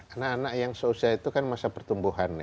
anak anak yang seusia itu kan masa pertumbuhan